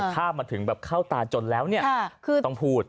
ถ้ามาถึงเข้าตาจนแล้วต้องพูด